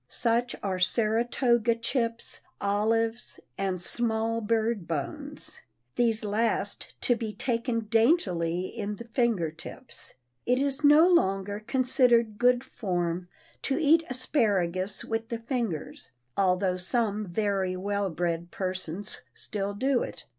Such are Saratoga chips, olives and small bird bones,—these last to be taken daintily in the fingertips. It is no longer considered good form to eat asparagus with the fingers, although some very well bred persons still do it.